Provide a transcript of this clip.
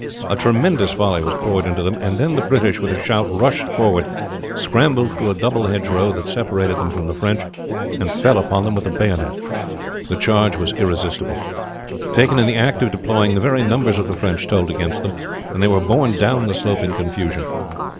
A tremendous volley was poured into them, and then the British with a shout rushed forward, scrambled through a double hedgerow that separated them from the French, and fell upon them with the bayonet. The charge was irresistible. Taken in the act of deploying, the very numbers of the French told against them, and they were borne down the slope in confusion.